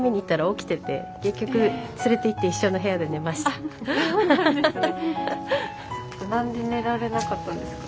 あっそうなんですね。